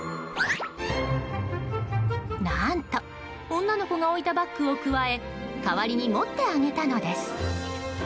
何と女の子が置いたバッグをくわえ代わりに持ってあげたのです。